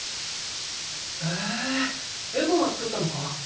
へぇーエコが作ったのか。